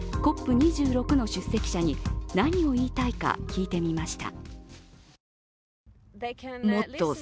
２６の出席者に何を言いたいか聞いてみました。